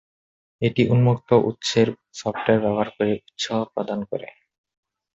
এটি উন্মুক্ত-উৎসের সফটওয়্যার ব্যবহারে উৎসাহ প্রদান করে।